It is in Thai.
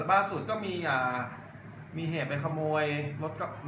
แต่ว่าเมืองนี้ก็ไม่เหมือนกับเมืองอื่น